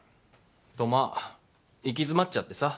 とまあ行き詰まっちゃってさ。